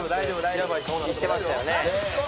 言ってましたよね。